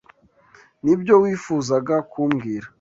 Nibyo wifuzaga kumbwira?